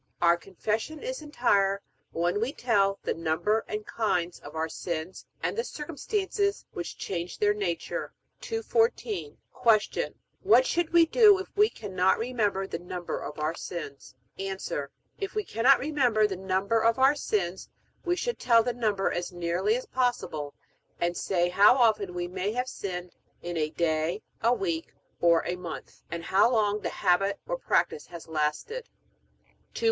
Our Confession is entire, when we tell the number and kinds of our sins and the circumstances which change their nature. 214. Q. What should we do if we cannot remember the number of our sins? A. If we cannot remember the number of our sins, we should tell the number as nearly as possible, and say how often we may have sinned in a day, a week, or a month, and how long the habit or practice has lasted. 215.